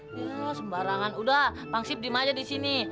ya lo sembarangan udah pangsip di maja disini